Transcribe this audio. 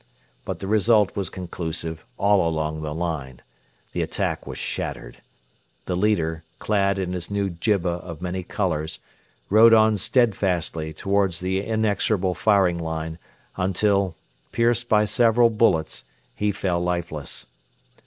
But the result was conclusive all along the line. The attack was shattered. The leader, clad in his new jibba of many colours, rode on steadfastly towards the inexorable firing line, until, pierced by several bullets, he fell lifeless.